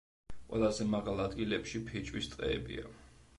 ყველაზე მაღალ ადგილებში ფიჭვის ტყეებია.